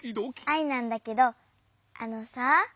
アイなんだけどあのさ。